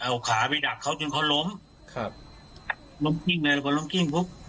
เอาขามีดักเขาจึงเขาล้มครับ